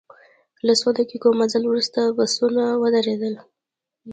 له څو دقیقو مزل وروسته بسونه ودرېدل.